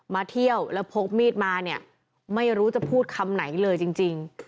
เที่ยวแล้วพกมีดมาเนี่ยไม่รู้จะพูดคำไหนเลยจริง